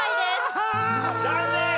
残念！